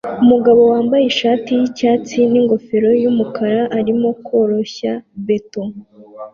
Umugabo wambaye ishati yicyatsi ningofero yumukara arimo koroshya beto